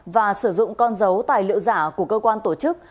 và sử dụng con dấu tài liệu giả của cơ quan tổ chức